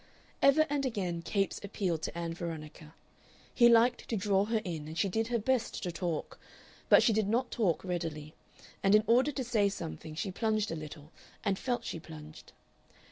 Ever and again Capes appealed to Ann Veronica. He liked to draw her in, and she did her best to talk. But she did not talk readily, and in order to say something she plunged a little, and felt she plunged.